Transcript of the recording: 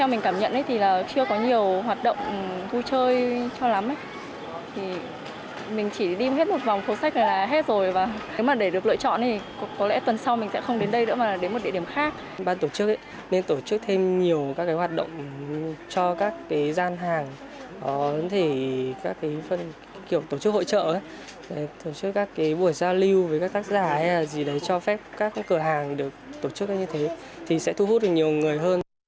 để cho phép các cửa hàng được tổ chức như thế thì sẽ thu hút được nhiều người hơn